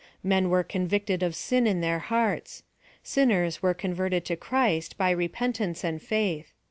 Men were convicted of sin in their hearts. Sinners were converted to Christ, by repentance and faith.